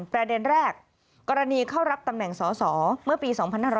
ประเด็นแรกกรณีเข้ารับตำแหน่งสอสอเมื่อปี๒๕๖๐